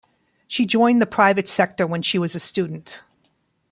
She joined the private sector when she was a student.